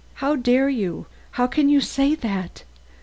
How dare you? how can you say that?